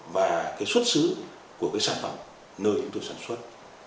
và xuất xứ của sản phẩm nơi chúng tôi sản xuất